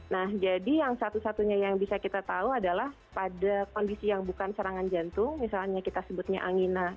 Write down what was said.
nah jadi yang satu satunya yang bisa kita tahu adalah pada kondisi yang bukan serangan jantung misalnya kita sebutnya anginah